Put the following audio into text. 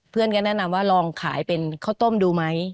เพื่อนก็แนะนำว่าลองขายเป็นข้าวต้มดูไหม